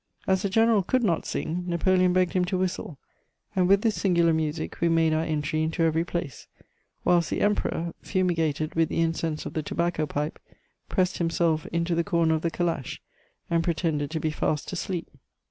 As the General could not sing, Napoleon begged him to whistle, and with this singular music we made our entry into every place; whilst the Emperor, fumigated with the incense of the tobacco pipe, pressed himself into the corner of the calash, and pretended to be fast asleep....